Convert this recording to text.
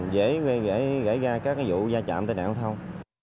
và dễ gãy gai các cái vụ gia trạm tai nạn không thông